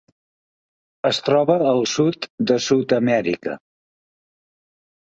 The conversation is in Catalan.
Es troba al sud de Sud-amèrica.